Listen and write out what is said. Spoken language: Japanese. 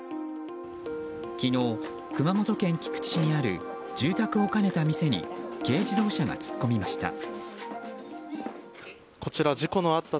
昨日、熊本県菊池市にある住宅を兼ねた店に軽自動車が突っ込みました。